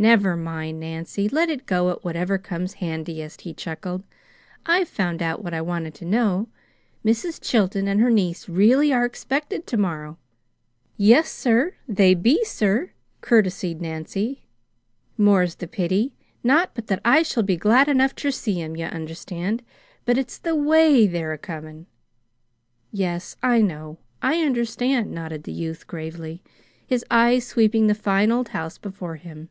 "Never mind, Nancy! Let it go at whatever comes handiest," he chuckled. "I've found out what I wanted to know: Mrs. Chilton and her niece really are expected to morrow." "Yes, sir, they be, sir," courtesied Nancy, " more's the pity! Not but that I shall be glad enough ter see 'em, you understand, but it's the WAY they're a comin'." "Yes, I know. I understand," nodded the youth, gravely, his eyes sweeping the fine old house before him.